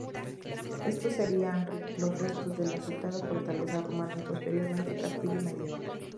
Estos serían los restos de la citada fortaleza romana y posteriormente castillo medieval.